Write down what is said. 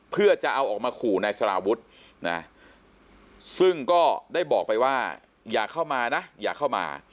เพื่อจะเอาออกมาขู่นายสารวุฒินะซึ่งก็ได้บอกไปว่าอย่าเข้ามานะอย่าเข้ามา